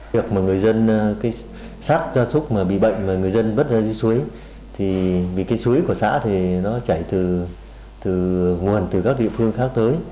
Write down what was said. việc một người dân sát ra súc mà bị bệnh và người dân bất ra dưới suối vì cái suối của xã thì nó chảy từ nguồn từ các địa phương khác tới